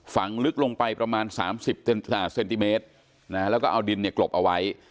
ฝังลึกลงไปประมาณ๓๐เซนติเมตรแล้วก็เอาดินเนี่ยกลบเอาไว้